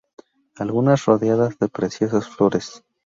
Algunas rodeadas de preciosas flores.